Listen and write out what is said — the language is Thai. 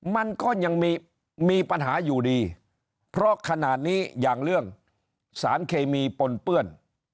มันก็ยังมีปัญหาอยู่ดีเพราะขนาดนี้อย่างเรื่องสารเคมีปนเปื้อน